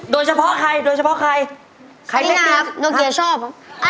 โดยเฉพาะใครนี่นะครับโนเกียร์ชอบ